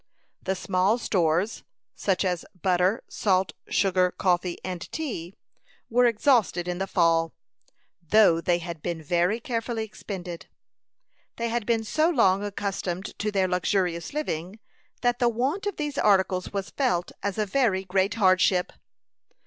The small stores, such as butter, salt, sugar, coffee, and tea, were exhausted in the fall, though they had been very carefully expended. They had been so long accustomed to their luxurious living, that the want of these articles was felt as a very great hardship.